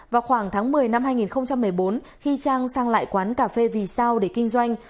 vào khoảng tháng một mươi năm hai nghìn một mươi bốn khi trang sang lại quán cà phê vì sao để kinh doanh